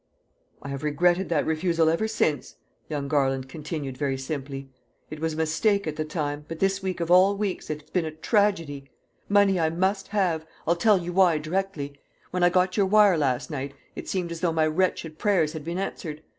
"I have regretted that refusal ever since," young Garland continued very simply. "It was a mistake at the time, but this week of all weeks it's been a tragedy. Money I must have; I'll tell you why directly. When I got your wire last night it seemed as though my wretched prayers had been answered.